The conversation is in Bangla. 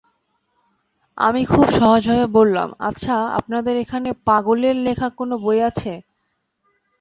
আমি খুব সহজভাবে বললাম, আচ্ছা, আপনাদের এখানে পাগলের লেখা কোনো বই আছে?